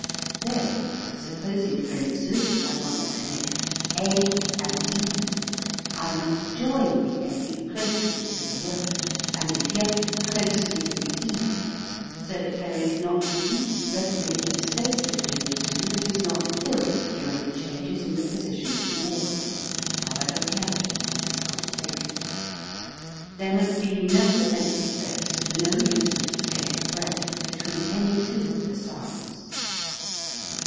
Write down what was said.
Then (supposing, for instance, that I want to connect a and e) I must join the a closely to the ?/, and the y closely to the e, so that there is not the least resonating space between the two that is not filled during the changes in the position of the organs, however carefully this is undertaken. There must be no empty space, no useless escape of breath, between any two of the sounds.